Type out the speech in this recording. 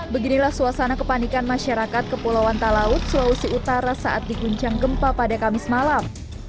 beginilah suasana kepanikan masyarakat kepulauan talaut sulawesi utara saat diguncang gempa pada kamis malam